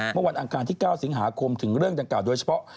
เมื่อวันอังคารที่๙สิงหาคมถึงเรื่องดังกล่าโดยเฉพาะ